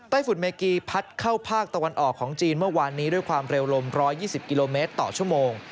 ฝุ่นเมกีพัดเข้าภาคตะวันออกของจีนเมื่อวานนี้ด้วยความเร็วลม๑๒๐กิโลเมตรต่อชั่วโมง